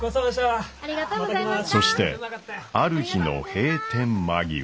そしてある日の閉店間際。